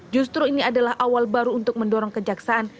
justru ini adalah awal baru untuk mendorong kejaksaan